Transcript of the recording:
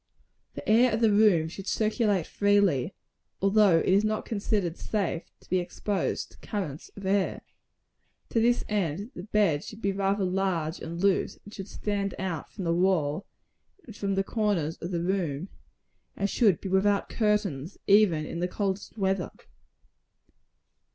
The air of the room should circulate freely; although it is not considered safe to be exposed to currents of air. To this end, the bed should be rather large and loose; and should stand out from the all, and from the corners of the room; and should be without curtains, even in the coldest weather.